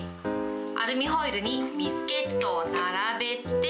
アルミホイルにビスケットを並べて。